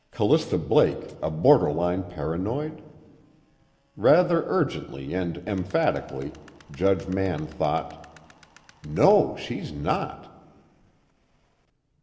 Callista Blake a borderline paranoid? Rather urgently and emphatically, Judge Mann thought: _No, she's not.